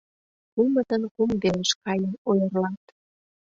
Кумытын кум велыш каен ойырлат.